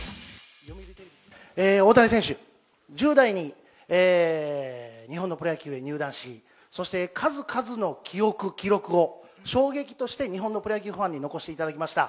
大谷選手、１０代に日本のプロ野球に入団し、そして数々の記憶、記録を衝撃として日本のプロ野球ファンに残していただきました。